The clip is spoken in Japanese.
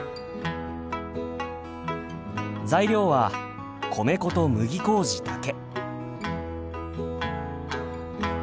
材料は米粉と麦麹だけ。